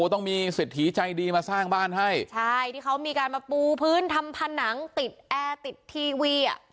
ต้องมีเศรษฐีใจดีมาสร้างบ้านให้ใช่ที่เขามีการมาปูพื้นทำผนังติดแอร์ติดทีวีอ่ะ